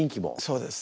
そうです。